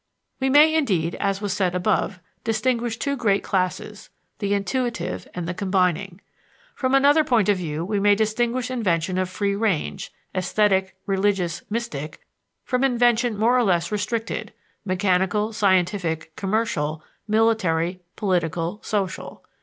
We may, indeed, as was said above, distinguish two great classes the intuitive and the combining. From another point of view we may distinguish invention of free range (esthetic, religious, mystic) from invention more or less restricted (mechanical, scientific, commercial, military, political, social).